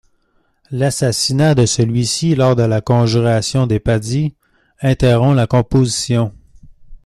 L'assassinat de celui-ci lors de la conjuration des Pazzi interrompt la composition.